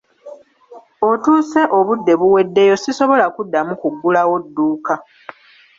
Otuuse obudde buweddeyo sisobola kuddamu kuggulawo dduuka.